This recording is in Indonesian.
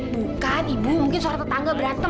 bukan ibu mungkin suara tetangga berantem